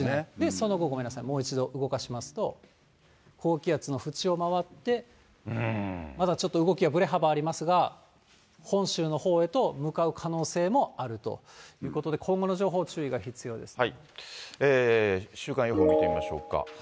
その後、ごめんなさい、もう一度動かしますと、高気圧の縁を回って、まだちょっと動きはぶれ幅ありますが、本州のほうへと向かう可能性もあるということで、週間予報見てみましょうか。